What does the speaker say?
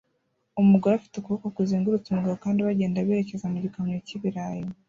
Umugore afite ukuboko kuzengurutse umugabo kandi bagenda berekeza mu gikamyo cy'ibirayi